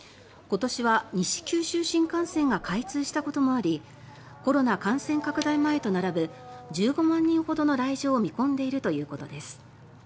今年は西九州新幹線が開通したこともありコロナ感染拡大前と並ぶ１５万人ほどの来場を見込んでいるということです。